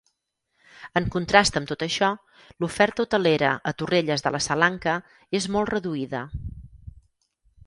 En contrast amb tot això, l'oferta hotelera a Torrelles de la Salanca és molt reduïda.